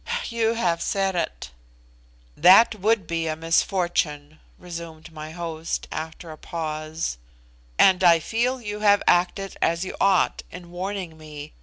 "You have said it." "That would be a misfortune," resumed my host, after a pause, "and I feel you have acted as you ought in warning me.